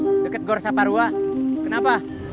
jalan deket gorsa parwa kenapa